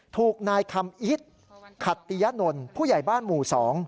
ถูกนายคำอิตขัตติยะนนท์ผู้ใหญ่บ้านหมู่๒